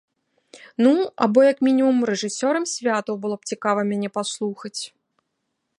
Ну, або як мінімум рэжысёрам святаў было б цікава мяне паслухаць!